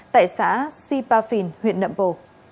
tại xã sipafin huyện nậm bồ